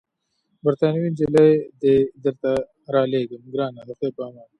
بریتانوۍ نجلۍ دي درته رالېږم، ګرانه د خدای په امان.